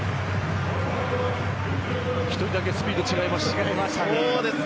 １人だけスピードが違いましたからね。